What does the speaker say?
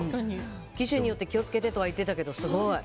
機種によって気を付けてとは言ってたけどすごい。